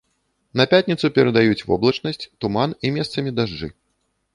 На пятніцу перадаюць воблачнасць, туман і месцамі дажджы.